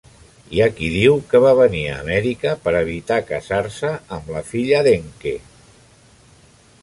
Hi ha qui diu que va venir a Amèrica per evitar casar-se amb la filla d'Encke.